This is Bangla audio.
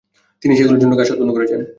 তিনিই সেগুলোর জন্য ঘাস উৎপন্ন করেছেন।